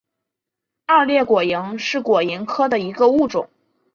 二裂果蝇是果蝇科的一个物种。